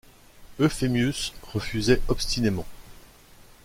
Euphémius refusait obstinément.